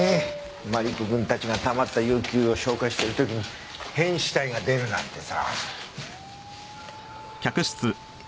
マリコ君たちがたまった有給を消化してる時に変死体が出るなんてさ。